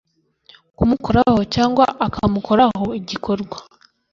kumukoraho cyangwa akamukoraho igikorwa